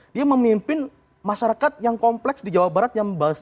dia memimpin masyarakat yang kompleks di jawa barat yang begitu berbahasa